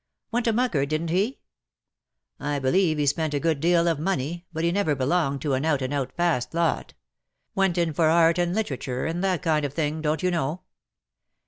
^'" Went a mucker, didn't he ?'" I believe he spent a good deal of money — but lie never belonged to an out and out fast lot. Went in for art and literature,, and that kind of thing, don't you know